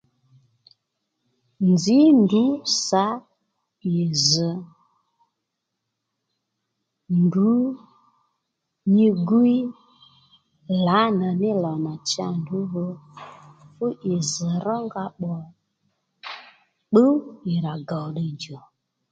Nzǐ ndrǔ sǎ ì zz̀ ndrǔ nyi gwiy lǎnà ní lò nà cha ndrǔ dho fú ì zz rónga pbò pbǔw ì rà gòw ddiy djò